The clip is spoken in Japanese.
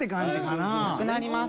なくなります